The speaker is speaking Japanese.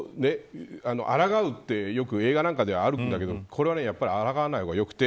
あらがうってよく映画なんかではあるんだけどこれは抗わない方が良くて。